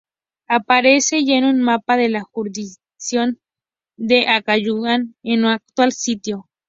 Aparece ya en un mapa de la jurisdicción de Acayucan en su actual sitio.